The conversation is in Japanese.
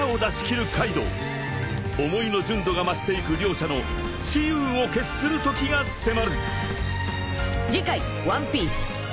［思いの純度が増していく両者の雌雄を決する時が迫る］